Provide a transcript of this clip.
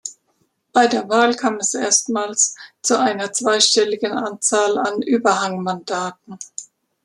Bei der Wahl kam es erstmals zu einer zweistelligen Anzahl an Überhangmandaten.